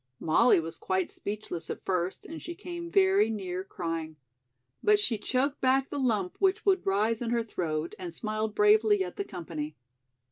Molly was quite speechless at first and she came very near crying. But she choked back the lump which would rise in her throat and smiled bravely at the company.